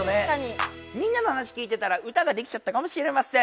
みんなの話聞いてたら歌ができちゃったかもしれません。